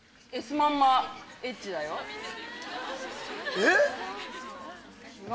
えっ！